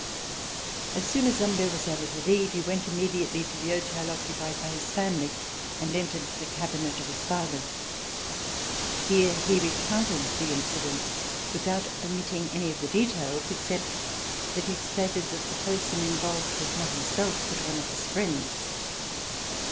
As soon as Humbert was able to leave, he went im mediately to the hotel occupied by his family and entered the cabinet of his father. Here he recounted the incident, without omitting any of the details, except that he stated that the person involved was not himself, but one of his friends.